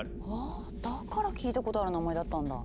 あぁだから聞いたことある名前だったんだ。